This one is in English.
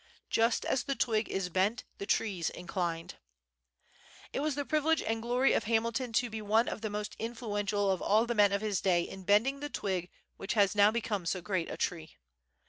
"Just as the twig is bent, the tree's inclined." It was the privilege and glory of Hamilton to be one of the most influential of all the men of his day in bending the twig which has now become so great a tree.